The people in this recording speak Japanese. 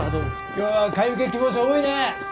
今日は買い受け希望者多いねえ。